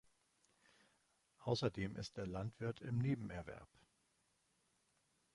Außerdem ist er Landwirt im Nebenerwerb.